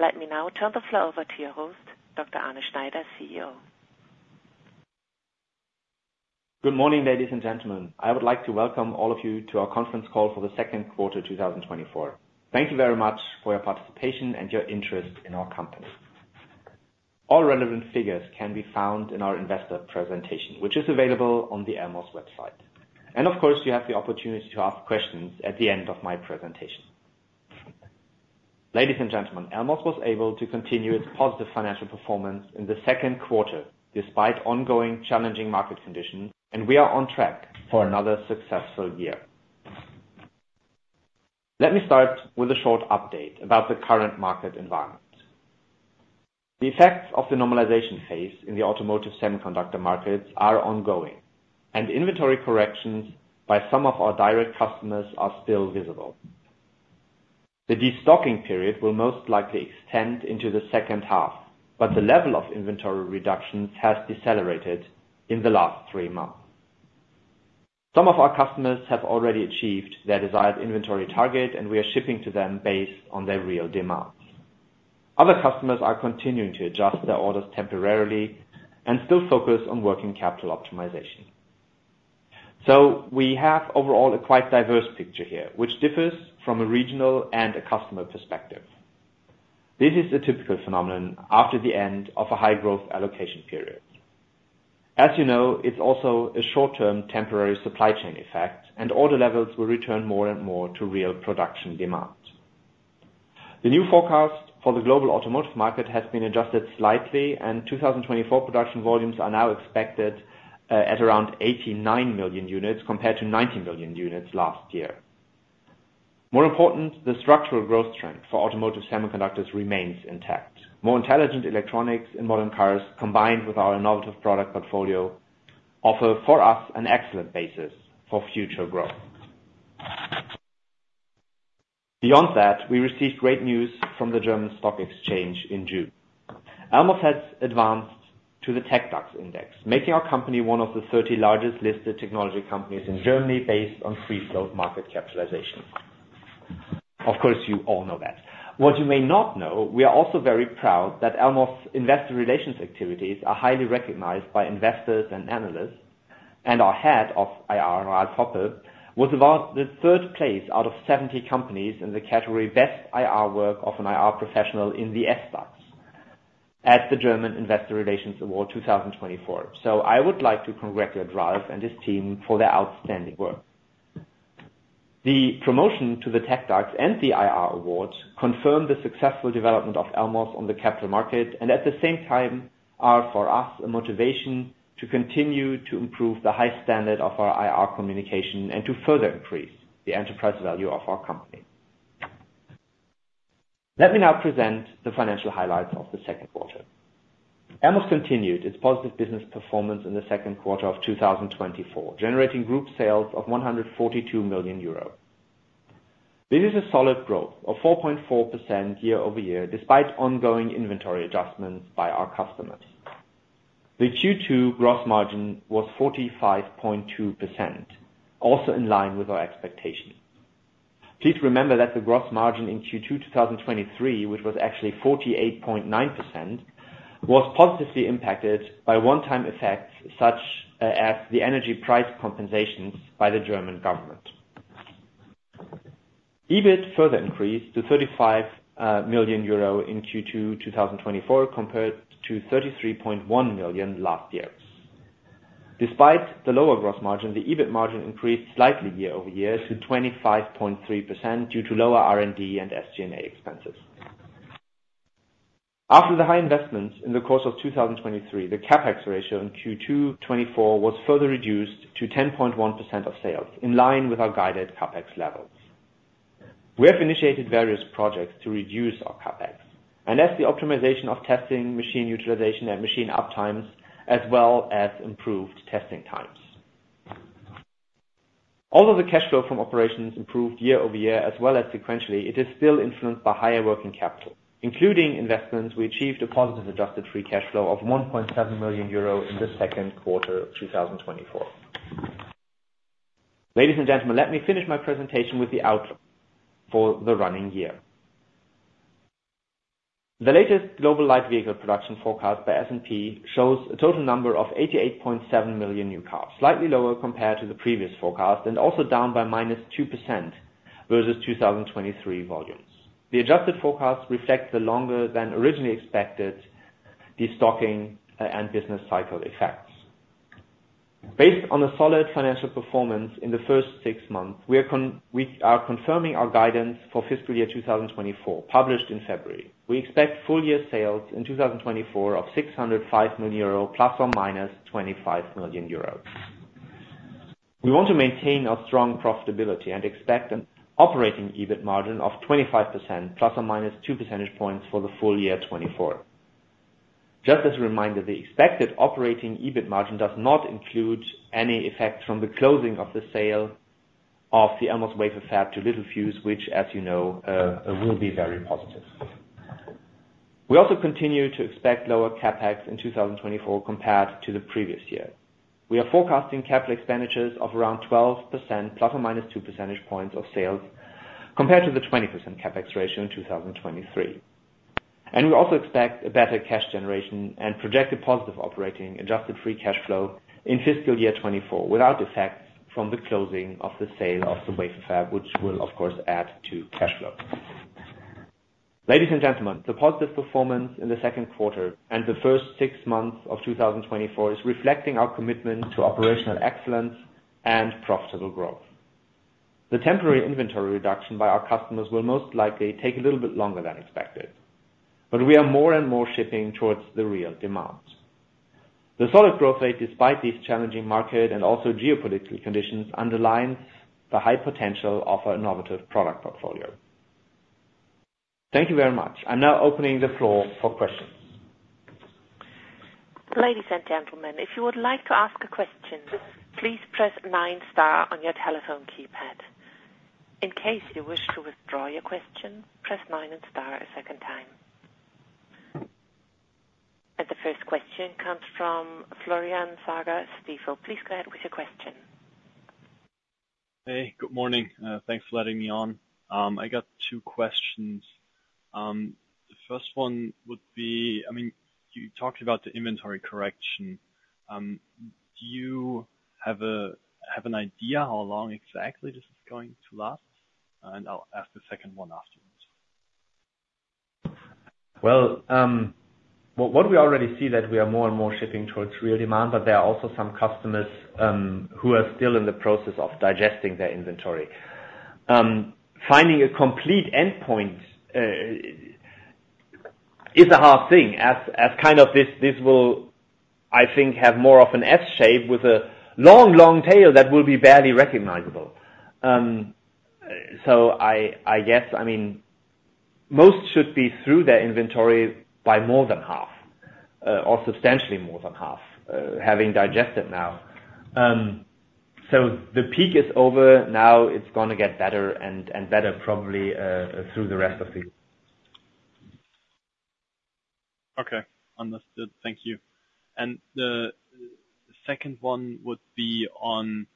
Let me now turn the floor over to your host, Dr. Arne Schneider, CEO. Good morning, ladies and gentlemen. I would like to welcome all of you to our conference call for the second quarter 2024. Thank you very much for your participation and your interest in our company. All relevant figures can be found in our investor presentation, which is available on the Elmos website. Of course, you have the opportunity to ask questions at the end of my presentation. Ladies and gentlemen, Elmos was able to continue its positive financial performance in the second quarter despite ongoing challenging market conditions, and we are on track for another successful year. Let me start with a short update about the current market environment. The effects of the normalization phase in the automotive semiconductor markets are ongoing, and inventory corrections by some of our direct customers are still visible. The destocking period will most likely extend into the second half, but the level of inventory reductions has decelerated in the last three months. Some of our customers have already achieved their desired inventory target, and we are shipping to them based on their real demand. Other customers are continuing to adjust their orders temporarily and still focus on working capital optimization. So we have overall a quite diverse picture here, which differs from a regional and a customer perspective. This is a typical phenomenon after the end of a high-growth allocation period. As you know, it's also a short-term temporary supply chain effect, and order levels will return more and more to real production demand. The new forecast for the global automotive market has been adjusted slightly, and 2024 production volumes are now expected at around 89 million units compared to 90 million units last year. More important, the structural growth trend for automotive semiconductors remains intact. More intelligent electronics in modern cars, combined with our innovative product portfolio, offer for us an excellent basis for future growth. Beyond that, we received great news from the German Stock Exchange in June. Elmos has advanced to the TecDAX index, making our company one of the 30 largest listed technology companies in Germany based on free-float market capitalization. Of course, you all know that. What you may not know, we are also very proud that Elmos' investor relations activities are highly recognized by investors and analysts, and our head of IR, Ralf Hoppe, was awarded third place out of 70 companies in the category Best IR Work of an IR Professional in the SDAX at the German Investor Relations Award 2024. So I would like to congratulate Ralf and his team for their outstanding work. The promotion to the TecDAX and the IR Award confirmed the successful development of Elmos on the capital market and, at the same time, are for us a motivation to continue to improve the high standard of our IR communication and to further increase the enterprise value of our company. Let me now present the financial highlights of the second quarter. Elmos continued its positive business performance in the second quarter of 2024, generating group sales of 142 million euros. This is a solid growth of 4.4% year-over-year, despite ongoing inventory adjustments by our customers. The Q2 gross margin was 45.2%, also in line with our expectation. Please remember that the gross margin in Q2 2023, which was actually 48.9%, was positively impacted by one-time effects such as the energy price compensations by the German government. EBIT further increased to 35 million euro in Q2 2024 compared to 33.1 million last year. Despite the lower gross margin, the EBIT margin increased slightly year-over-year to 25.3% due to lower R&D and SG&A expenses. After the high investments in the course of 2023, the CapEx ratio in Q2 2024 was further reduced to 10.1% of sales, in line with our guided CapEx levels. We have initiated various projects to reduce our CapEx, and that's the optimization of testing, machine utilization, and machine uptimes, as well as improved testing times. Although the cash flow from operations improved year-over-year, as well as sequentially, it is still influenced by higher working capital, including investments. We achieved a positive adjusted free cash flow of 1.7 million euro in the second quarter of 2024. Ladies and gentlemen, let me finish my presentation with the outlook for the running year. The latest global light vehicle production forecast by S&P shows a total number of 88.7 million new cars, slightly lower compared to the previous forecast and also down by -2% versus 2023 volumes. The adjusted forecast reflects the longer than originally expected destocking and business cycle effects. Based on a solid financial performance in the first six months, we are confirming our guidance for fiscal year 2024, published in February. We expect full year sales in 2024 of 605 million euro, plus or minus 25 million euros. We want to maintain our strong profitability and expect an operating EBIT margin of 25%, plus or minus 2 percentage points for the full year 2024. Just as a reminder, the expected operating EBIT margin does not include any effect from the closing of the sale of the Elmos wafer fab to Littelfuse, which, as you know, will be very positive. We also continue to expect lower CapEx in 2024 compared to the previous year. We are forecasting capital expenditures of around 12%, plus or minus 2 percentage points of sales, compared to the 20% CapEx ratio in 2023. We also expect a better cash generation and projected positive operating adjusted free cash flow in fiscal year 2024, without effects from the closing of the sale of the wafer fab, which will, of course, add to cash flow. Ladies and gentlemen, the positive performance in the second quarter and the first six months of 2024 is reflecting our commitment to operational excellence and profitable growth. The temporary inventory reduction by our customers will most likely take a little bit longer than expected, but we are more and more shipping towards the real demand. The solid growth rate, despite these challenging market and also geopolitical conditions, underlines the high potential of our innovative product portfolio. Thank you very much. I'm now opening the floor for questions. Ladies and gentlemen, if you would like to ask a question, please press nine star on your telephone keypad. In case you wish to withdraw your question, press nine and star a second time. The first question comes from Florian Sager, Stifel. Please go ahead with your question. Hey, good morning. Thanks for letting me on. I got two questions. The first one would be, I mean, you talked about the inventory correction. Do you have an idea how long exactly this is going to last? I'll ask the second one afterwards. Well, what we already see is that we are more and more shipping towards real demand, but there are also some customers who are still in the process of digesting their inventory. Finding a complete endpoint is a hard thing, as kind of this will, I think, have more of an S-shape with a long, long tail that will be barely recognizable. So I guess, I mean, most should be through their inventory by more than half, or substantially more than half, having digested now. So the peak is over. Now it's going to get better and better, probably through the rest of the year. Okay. Understood. Thank you. And the second one would be on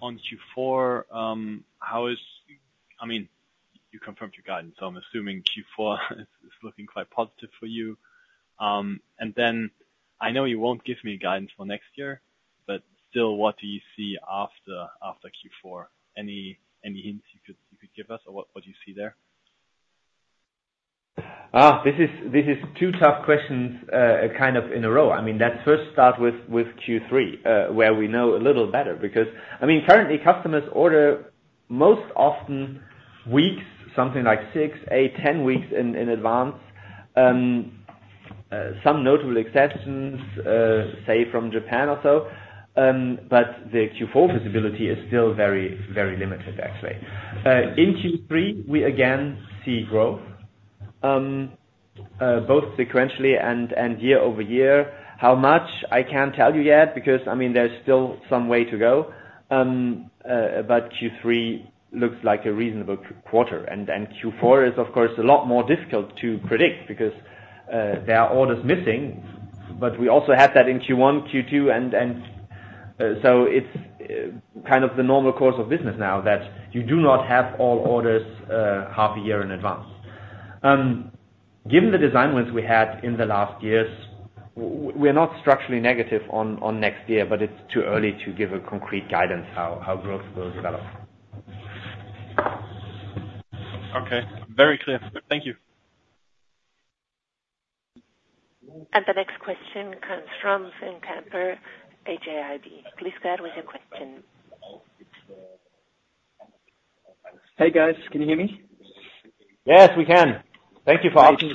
Q4. I mean, you confirmed your guidance, so I'm assuming Q4 is looking quite positive for you. And then I know you won't give me guidance for next year, but still, what do you see after Q4? Any hints you could give us or what do you see there? This is two tough questions kind of in a row. I mean, let's first start with Q3, where we know a little better because, I mean, currently, customers order most often weeks, something like 6, 8, 10 weeks in advance. Some notable exceptions, say, from Japan or so. But the Q4 visibility is still very, very limited, actually. In Q3, we again see growth, both sequentially and year-over-year. How much, I can't tell you yet because, I mean, there's still some way to go. But Q3 looks like a reasonable quarter. Q4 is, of course, a lot more difficult to predict because there are orders missing. But we also had that in Q1, Q2, and so it's kind of the normal course of business now that you do not have all orders half a year in advance. Given the design wins we had in the last years, we're not structurally negative on next year, but it's too early to give a concrete guidance how growth will develop. Okay. Very clear. Thank you. The next question comes from Finn-Niclas Pember, HAIB. Please go ahead with your question. Hey, guys. Can you hear me? Yes, we can. Thank you for asking.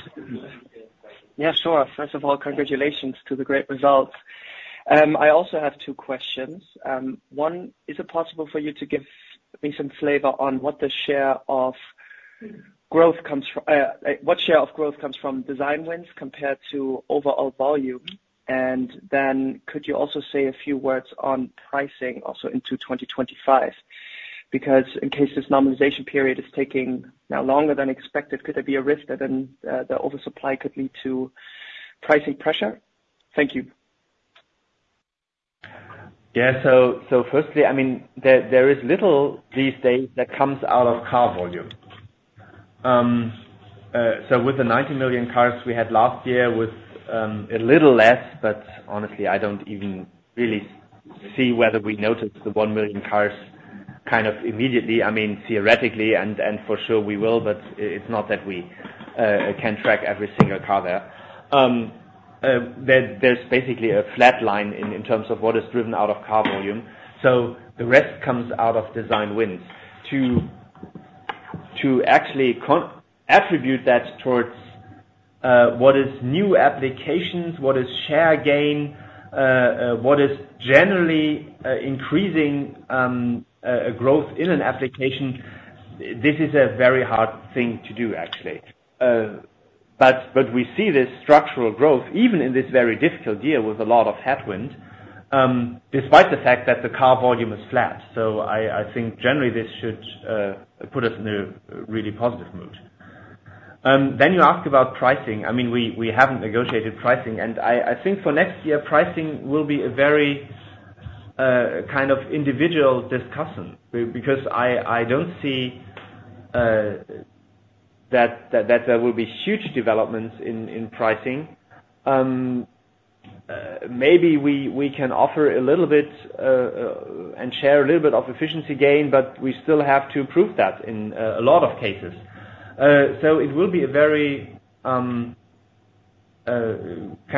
Yeah, sure. First of all, congratulations to the great results. I also have two questions. One, is it possible for you to give me some flavor on what the share of growth comes from? What share of growth comes from design wins compared to overall volume? And then could you also say a few words on pricing also into 2025? Because in case this normalization period is taking now longer than expected, could there be a risk that then the oversupply could lead to pricing pressure? Thank you. Yeah. So firstly, I mean, there is little these days that comes out of car volume. So with the 90 million cars we had last year with a little less, but honestly, I don't even really see whether we noticed the 1 million cars kind of immediately. I mean, theoretically, and for sure we will, but it's not that we can track every single car there. There's basically a flat line in terms of what is driven out of car volume. So the rest comes out of design wins. To actually attribute that towards what is new applications, what is share gain, what is generally increasing growth in an application, this is a very hard thing to do, actually. But we see this structural growth, even in this very difficult year with a lot of headwind, despite the fact that the car volume is flat. I think generally this should put us in a really positive mood. You ask about pricing. I mean, we haven't negotiated pricing, and I think for next year, pricing will be a very kind of individual discussion because I don't see that there will be huge developments in pricing. Maybe we can offer a little bit and share a little bit of efficiency gain, but we still have to prove that in a lot of cases. So it will be a very kind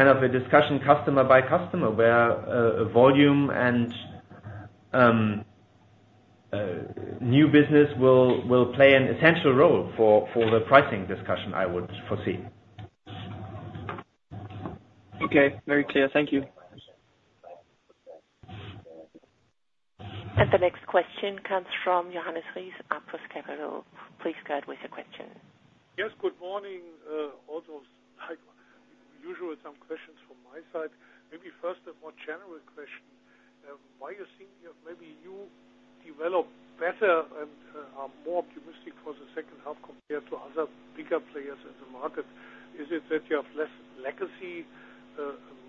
of a discussion customer by customer where volume and new business will play an essential role for the pricing discussion, I would foresee. Okay. Very clear. Thank you. The next question comes from Johannes Ries, Apus Capital. Please go ahead with your question. Yes, good morning. Also, like usual, some questions from my side. Maybe first a more general question. Why do you think maybe you develop better and are more optimistic for the second half compared to other bigger players in the market? Is it that you have less legacy,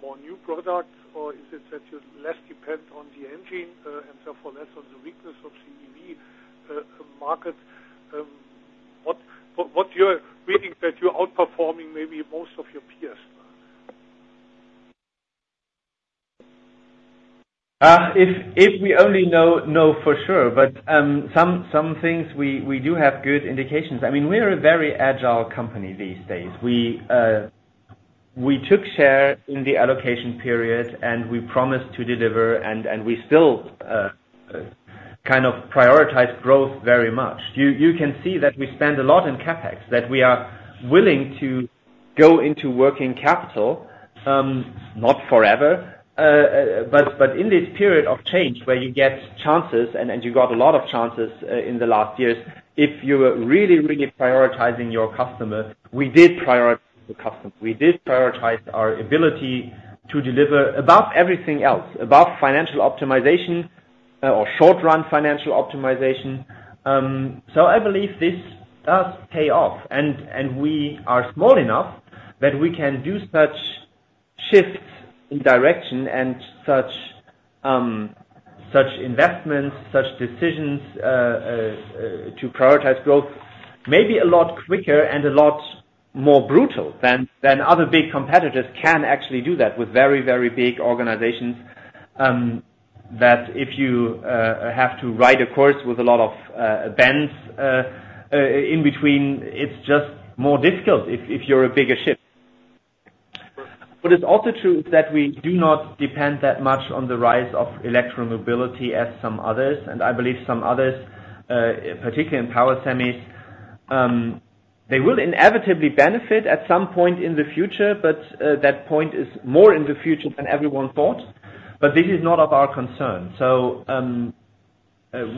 more new products, or is it that you less depend on the engine and therefore less on the weakness of ZEV market? What do you think that you're outperforming maybe most of your peers? If we only know for sure, but some things we do have good indications. I mean, we're a very agile company these days. We took share in the allocation period, and we promised to deliver, and we still kind of prioritize growth very much. You can see that we spend a lot in CapEx, that we are willing to go into working capital, not forever, but in this period of change where you get chances and you got a lot of chances in the last years, if you were really, really prioritizing your customers, we did prioritize the customers. We did prioritize our ability to deliver above everything else, above financial optimization or short-run financial optimization. So I believe this does pay off, and we are small enough that we can do such shifts in direction and such investments, such decisions to prioritize growth maybe a lot quicker and a lot more brutal than other big competitors can actually do that with very, very big organizations that if you have to ride a course with a lot of bends in between, it's just more difficult if you're a bigger ship. What is also true is that we do not depend that much on the rise of electromobility as some others. And I believe some others, particularly in power semis, they will inevitably benefit at some point in the future, but that point is more in the future than everyone thought. But this is not of our concern. So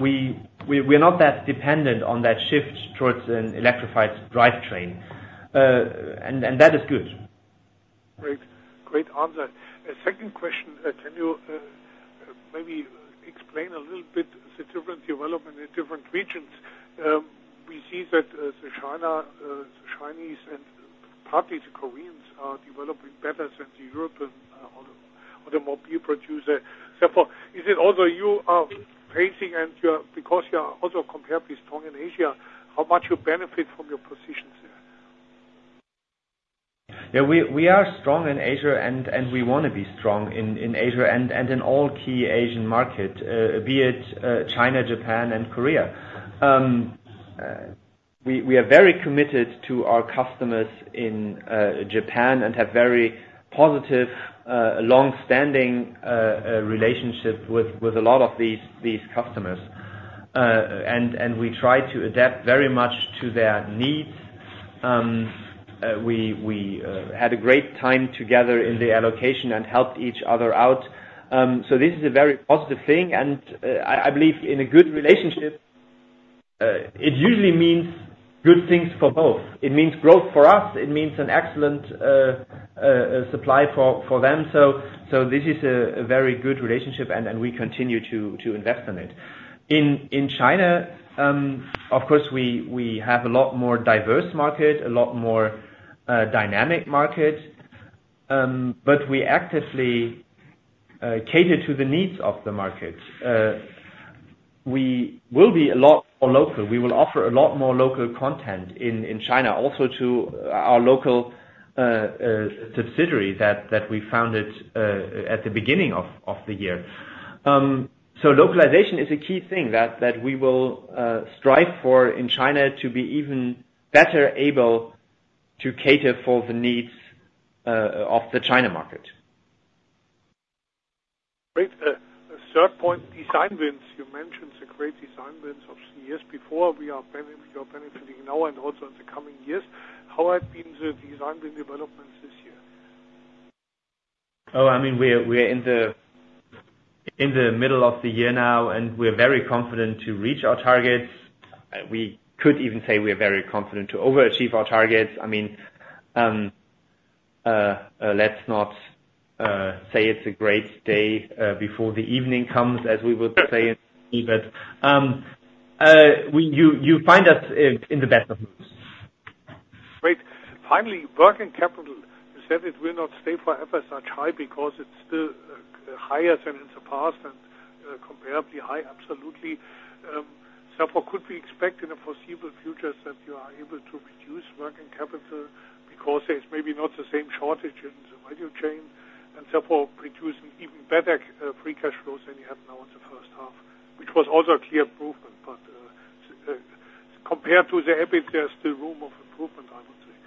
we're not that dependent on that shift towards an electrified drivetrain. And that is good. Great. Great answer. Second question, can you maybe explain a little bit the different development in different regions? We see that the China, the Chinese, and partly the Koreans are developing better than the European automobile producer. Therefore, is it also you are facing and because you are also comparably strong in Asia, how much you benefit from your positions there? Yeah, we are strong in Asia, and we want to be strong in Asia and in all key Asian markets, be it China, Japan, and Korea. We are very committed to our customers in Japan and have a very positive, long-standing relationship with a lot of these customers. And we try to adapt very much to their needs. We had a great time together in the allocation and helped each other out. So this is a very positive thing. And I believe in a good relationship, it usually means good things for both. It means growth for us. It means an excellent supply for them. So this is a very good relationship, and we continue to invest in it. In China, of course, we have a lot more diverse market, a lot more dynamic market, but we actively cater to the needs of the market. We will be a lot more local. We will offer a lot more local content in China also to our local subsidiary that we founded at the beginning of the year. So localization is a key thing that we will strive for in China to be even better able to cater for the needs of the China market. Great. Third point, design wins. You mentioned the great design wins of the years before. We are benefiting now and also in the coming years. How have been the design win developments this year? Oh, I mean, we're in the middle of the year now, and we're very confident to reach our targets. We could even say we're very confident to overachieve our targets. I mean, let's not say it's a great day before the evening comes, as we would say in the movie, but you find us in the best of moods. Great. Finally, working capital. You said it will not stay forever such high because it's still higher than in the past and comparably high, absolutely. Therefore, could we expect in the foreseeable future that you are able to reduce working capital because there's maybe not the same shortage in the value chain and therefore produce an even better free cash flow than you have now in the first half, which was also a clear improvement? But compared to the EBIT, there's still room of improvement, I would say.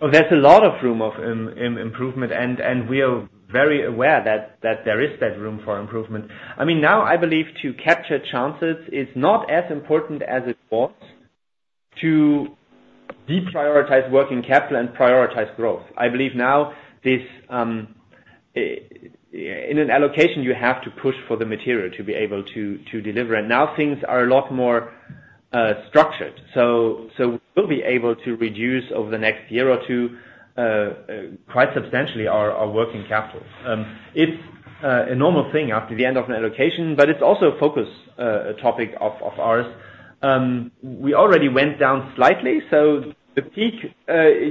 Well, there's a lot of room for improvement, and we are very aware that there is that room for improvement. I mean, now I believe to capture chances is not as important as it was to deprioritize working capital and prioritize growth. I believe now in an allocation, you have to push for the material to be able to deliver. And now things are a lot more structured. So we'll be able to reduce over the next year or two quite substantially our working capital. It's a normal thing after the end of an allocation, but it's also a focus topic of ours. We already went down slightly, so the peak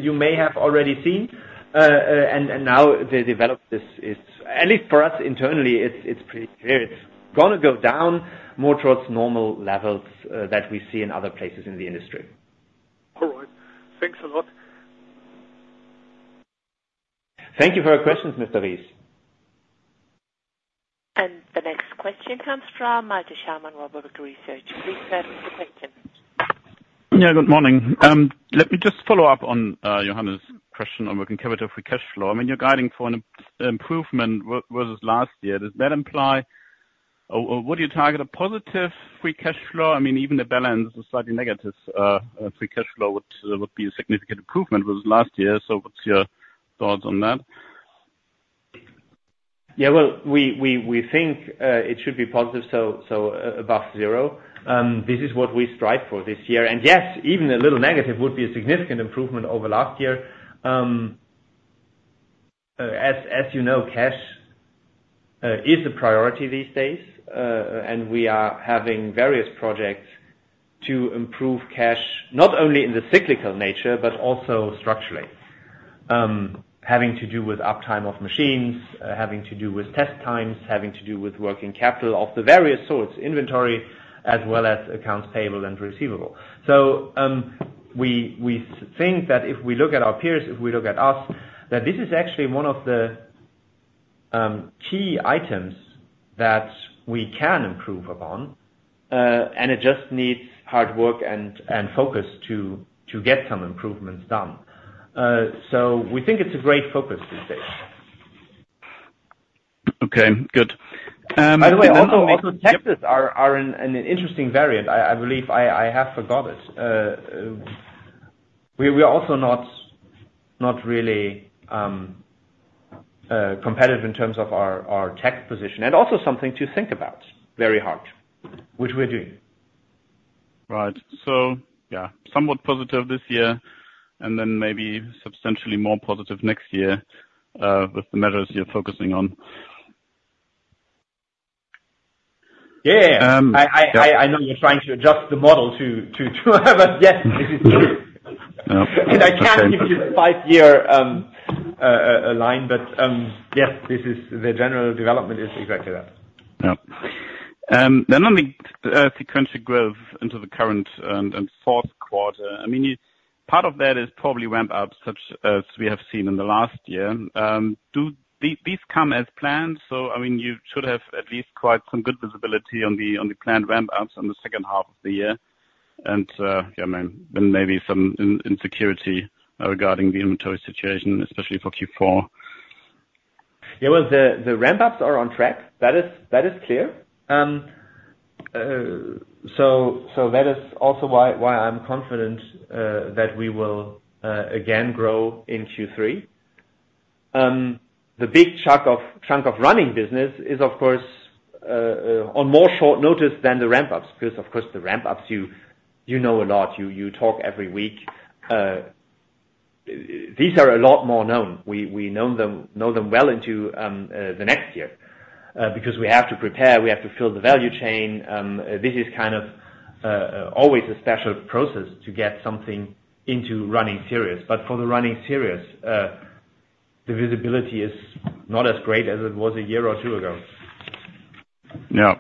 you may have already seen. And now the development is, at least for us internally, it's pretty clear. It's going to go down more towards normal levels that we see in other places in the industry. All right. Thanks a lot. Thank you for your questions, Mr. Ries. The next question comes from Malte Schaumann, Warburg Research. Please go ahead with your question. Yeah, good morning. Let me just follow up on Johannes' question on working capital free cash flow. I mean, you're guiding for an improvement versus last year. Does that imply or would you target a positive free cash flow? I mean, even the balance is slightly negative. Free cash flow would be a significant improvement versus last year. So what's your thoughts on that? Yeah, well, we think it should be positive, so above zero. This is what we strive for this year. And yes, even a little negative would be a significant improvement over last year. As you know, cash is a priority these days, and we are having various projects to improve cash, not only in the cyclical nature, but also structurally, having to do with uptime of machines, having to do with test times, having to do with working capital of the various sorts, inventory, as well as accounts payable and receivable. So we think that if we look at our peers, if we look at us, that this is actually one of the key items that we can improve upon, and it just needs hard work and focus to get some improvements done. So we think it's a great focus these days. Okay. Good. By the way, also tech is an interesting variant. I believe I have forgot it. We are also not really competitive in terms of our tech's position. Also something to think about very hard, which we're doing. Right. So yeah, somewhat positive this year, and then maybe substantially more positive next year with the measures you're focusing on. Yeah, yeah. I know you're trying to adjust the model to have a yes, this is true. And I can't give you a five-year line, but yes, this is the general development is exactly that. Yeah. Then on the sequential growth into the current and fourth quarter, I mean, part of that is probably ramp-ups such as we have seen in the last year. Do these come as planned? So I mean, you should have at least quite some good visibility on the planned ramp-ups in the second half of the year. And yeah, then maybe some insecurity regarding the inventory situation, especially for Q4. Yeah, well, the ramp-ups are on track. That is clear. So that is also why I'm confident that we will again grow in Q3. The big chunk of running business is, of course, on more short notice than the ramp-ups because, of course, the ramp-ups, you know a lot. You talk every week. These are a lot more known. We know them well into the next year because we have to prepare. We have to fill the value chain. This is kind of always a special process to get something into running series. But for the running series, the visibility is not as great as it was a year or two ago. Yeah.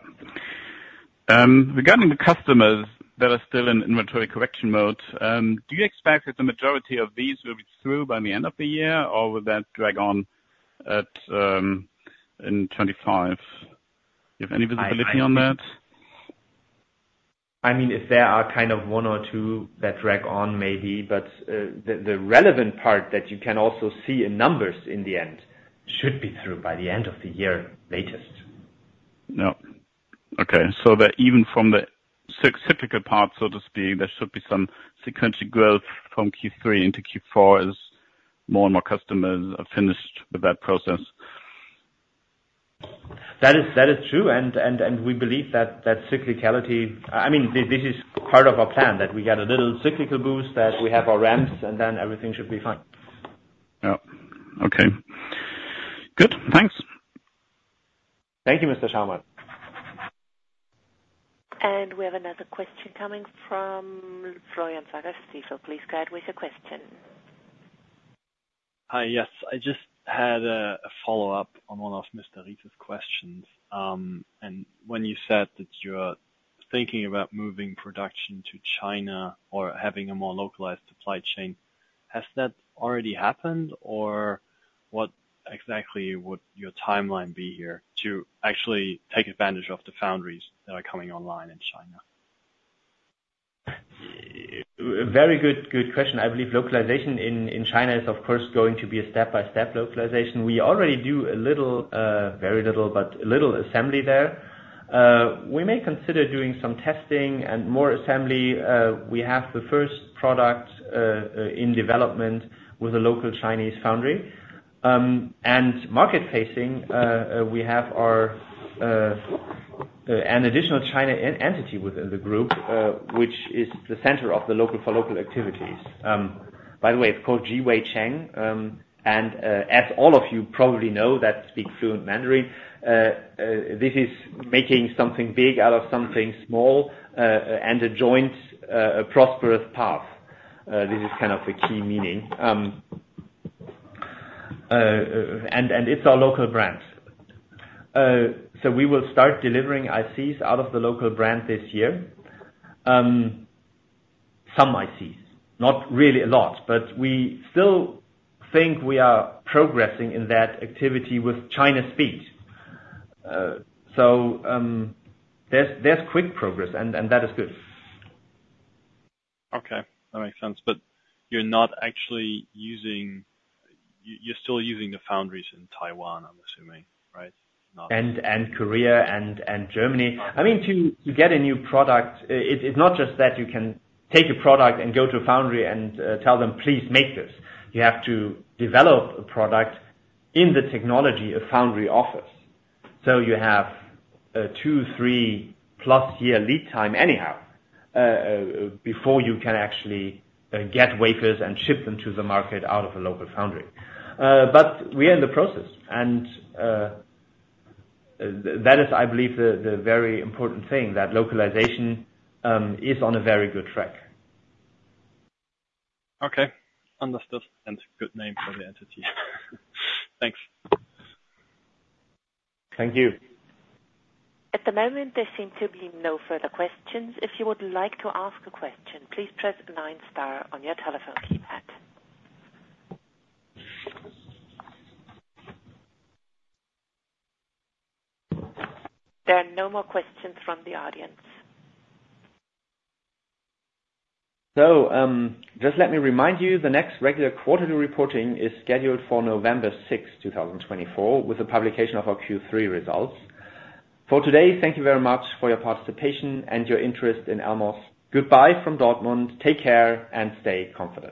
Regarding the customers that are still in inventory correction mode, do you expect that the majority of these will be through by the end of the year, or will that drag on in 2025? Do you have any visibility on that? I mean, if there are kind of one or two that drag on, maybe. But the relevant part that you can also see in numbers in the end should be through by the end of the year latest. Yeah. Okay. So that even from the cyclical part, so to speak, there should be some sequential growth from Q3 into Q4 as more and more customers are finished with that process. That is true. And we believe that that cyclicality I mean, this is part of our plan that we get a little cyclical boost, that we have our ramps, and then everything should be fine. Yeah. Okay. Good. Thanks. Thank you, Mr. Schaumann. We have another question coming from, so please go ahead with your question. Hi, yes. I just had a follow-up on one of Mr. Ries's questions. When you said that you're thinking about moving production to China or having a more localized supply chain, has that already happened, or what exactly would your timeline be here to actually take advantage of the foundries that are coming online in China? Very good question. I believe localization in China is, of course, going to be a step-by-step localization. We already do a little, very little, but a little assembly there. We may consider doing some testing and more assembly. We have the first product in development with a local Chinese foundry. And market-facing, we have an additional China entity within the group, which is the center of the local-for-local activities. By the way, it's called JiWeiCheng. And as all of you probably know, that's big fluent Mandarin. This is making something big out of something small and a joint prosperous path. This is kind of the key meaning. And it's our local brand. So we will start delivering ICs out of the local brand this year. Some ICs, not really a lot, but we still think we are progressing in that activity with China's speed. There's quick progress, and that is good. Okay. That makes sense. But you're still using the foundries in Taiwan, I'm assuming, right? And Korea and Germany. I mean, to get a new product, it's not just that you can take a product and go to a foundry and tell them, "Please make this." You have to develop a product in the technology of the foundry process. So you have 2, 3+ year lead time anyhow before you can actually get wafers and ship them to the market out of a local foundry. But we are in the process. And that is, I believe, the very important thing, that localization is on a very good track. Okay. Understood. Good name for the entity. Thanks. Thank you. At the moment, there seem to be no further questions. If you would like to ask a question, please press nine star on your telephone keypad. There are no more questions from the audience. Just let me remind you, the next regular quarterly reporting is scheduled for November 6, 2024, with the publication of our Q3 results. For today, thank you very much for your participation and your interest in Elmos. Goodbye from Dortmund. Take care and stay confident.